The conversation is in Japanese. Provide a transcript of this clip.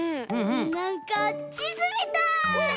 なんかちずみたい！